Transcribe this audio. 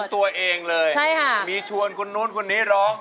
ของตัวเองเลยใช่ค่ะมีชวนคนนู้นคนนี้ร้อง